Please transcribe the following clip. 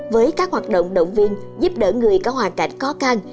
với các hoạt động động viên giúp đỡ người có hoàn cảnh khó khăn